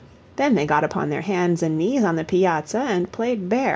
Then they got upon their hands and knees on the piazza and played bear.